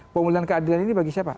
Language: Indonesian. pemulihan keadilan ini bagi siapa